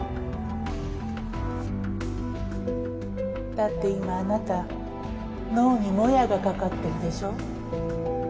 だって今あなた脳にモヤがかかってるでしょ？